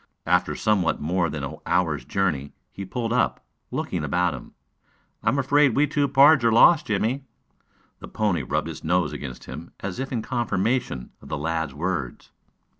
After somewhat more than an hour's journey he pulled up, looking about him. "I am afraid we two pards are lost, Jimmie." The pony rubbed its nose against him as if in confirmation of the lad's words.